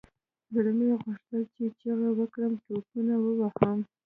زړه مې غوښتل چې چيغه وكړم ټوپونه ووهم.